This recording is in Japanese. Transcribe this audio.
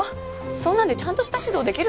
そんなんでちゃんとした指導できるの？